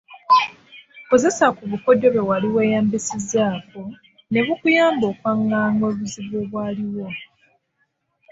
Kozesa ku bukodyo bwe wali weeyambisizzaako ne bukuyamba okwanganga obuzibu obwaliwo.